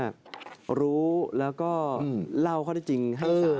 ก็คือว่ารู้แล้วก็เล่าเขาได้จริงให้สาธารณ์